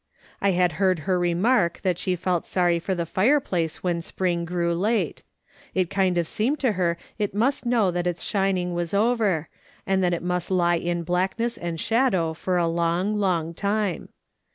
I had heard her remark that she felt sorry for the fireplace when spring grew late. It kind of seemed to her it must know that its shining was over, and that it must lie in blackness and shadow for a long, long time.